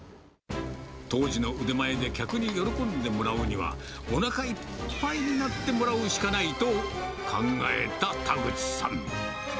当時の腕前で客に喜んでもらうには、おなかいっぱいになってもらうしかないと考えた田口さん。